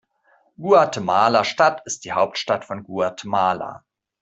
Guatemala-Stadt ist die Hauptstadt von Guatemala.